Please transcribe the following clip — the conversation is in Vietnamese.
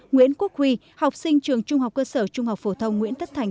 nguyễn quốc huy học sinh trường trung học cơ sở trung học phổ thông nguyễn tất thành